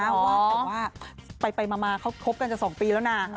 แต่ว่าไปมาเขาคบกันจะ๒ปีแล้วนะ